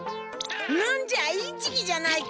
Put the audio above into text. なんじゃインチキじゃないか！